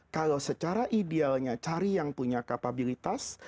kalau secara idealnya cari yang punya kapabilitas